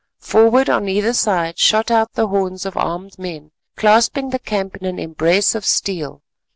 Forward on either side shot out the horns of armed men, clasping the camp in an embrace of steel.